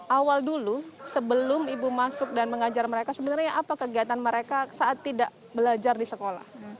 awal dulu sebelum ibu masuk dan mengajar mereka sebenarnya apa kegiatan mereka saat tidak belajar di sekolah